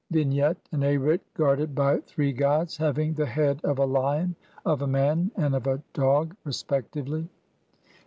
Vignette : An Arit guarded by three gods having the head of a man, of a hawk, and of a lion respectively.